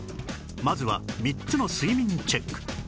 まずは３つの睡眠チェック